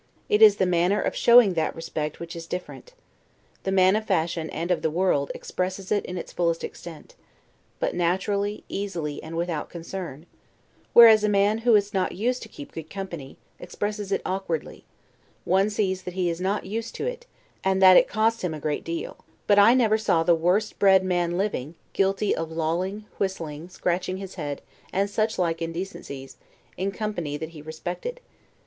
It is the manner of showing that respect which is different. The man of fashion and of the world, expresses it in its fullest extent; but naturally, easily, and without concern: whereas a man, who is not used to keep good company, expresses it awkwardly; one sees that he is not used to it, and that it costs him a great deal: but I never saw the worst bred man living guilty of lolling, whistling, scratching his head, and such like indecencies, in company that he respected.